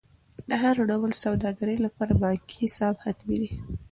د هر ډول سوداګرۍ لپاره بانکي حساب حتمي دی.